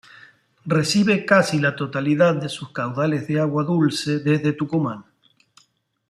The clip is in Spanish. Recibe casi la totalidad de sus caudales de agua dulce desde Tucumán.